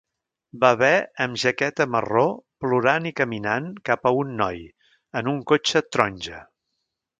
Bebè amb jaqueta marró plorant i caminant cap a un noi, en un cotxe taronja.